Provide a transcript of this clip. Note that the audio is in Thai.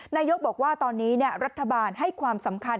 นายกบอกว่าตอนนี้รัฐบาลให้ความสำคัญ